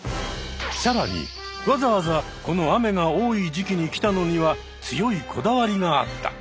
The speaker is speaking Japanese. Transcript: さらにわざわざこの雨が多い時期に来たのには強いこだわりがあった。